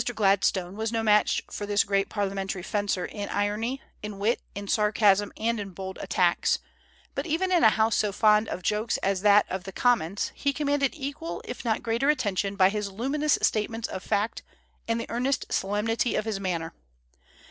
Gladstone was no match for this great parliamentary fencer in irony, in wit, in sarcasm, and in bold attacks; but even in a House so fond of jokes as that of the Commons he commanded equal if not greater attention by his luminous statements of fact and the earnest solemnity of his manner.